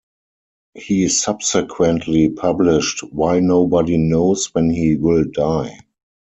He subsequently published "Why Nobody Knows When He Will Die".